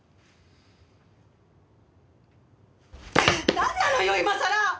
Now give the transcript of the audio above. なんなのよ今さら！